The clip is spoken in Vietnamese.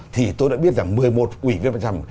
thì tôi đã biết là một mươi một quỷ viên bán chấp hành